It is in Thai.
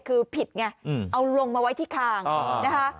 คือผิดไงเอาลงมาไว้ที่คางนะคะ